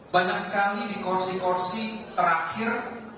banyak sekali di kursi kursi terakhir